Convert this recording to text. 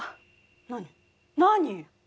何何！？